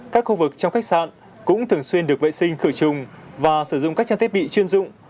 các khu vực trong khách sạn cũng thường xuyên được vệ sinh khử trùng và sử dụng các trang thiết bị chuyên dụng